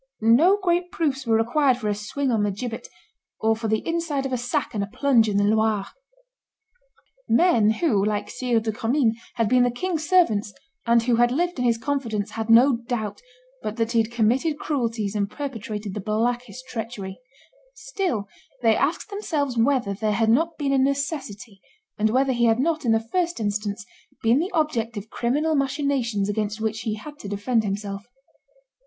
No great proofs were required for a swing on the gibbet, or for the inside of a sack and a plunge in the Loire. ... Men who, like Sire de Commynes, had been the king's servants, and who had lived in his confidence, had no doubt but that he had committed cruelties and perpetrated the blackest treachery; still they asked themselves whether there had not been a necessity, and whether he had not, in the first instance, been the object of criminal machinations against which he had to defend himself.